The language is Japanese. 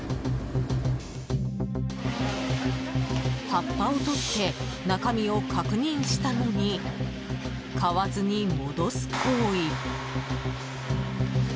葉っぱを取って中身を確認したのに買わずに戻す行為。